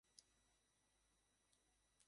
এদের রং বাদামি।